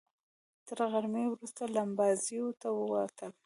تر غرمې وروسته لمباځیو ته ووتلو.